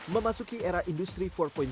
memasuki era industri empat